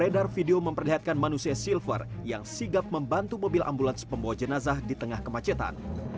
terlihatkan manusia silver yang sigap membantu mobil ambulans pembawa jenazah di tengah kemacetan